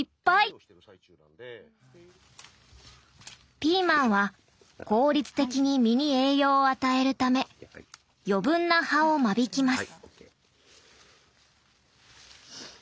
ピーマンは効率的に実に栄養を与えるため余分な葉を間引きます。